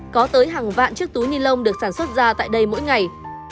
có tới hàng vạn chiếc túi ni lông được sản xuất ra tại đây mỗi ngày